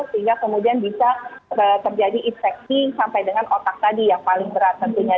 sehingga kemudian bisa terjadi infeksi sampai dengan otak tadi yang paling berat tentunya